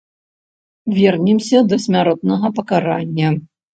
Вернемся да смяротнага пакарання.